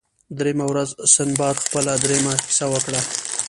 دریمه ورځ سنباد خپله دریمه کیسه وکړه.